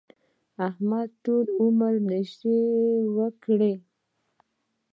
احمد ټول عمر نشې وکړې.